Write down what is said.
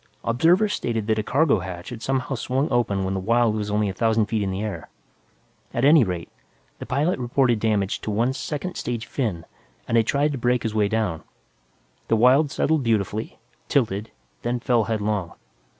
Observers stated that a cargo hatch had somehow swung open when the Wyld was only a thousand feet in the air. At any rate, the pilot reported damage to one second stage fin and tried to brake his way down. The Wyld settled beautifully, tilted, then fell headlong.